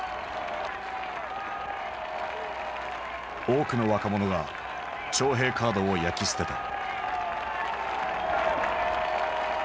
多くの若者が徴兵カードを焼き捨てた。